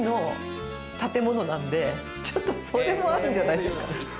ちょっとそれもあるんじゃないですか？